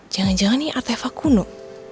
jangan jangan ini artefak kuno